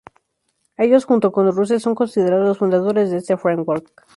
Ellos, junto con Russell, son considerados los fundadores de este "framework".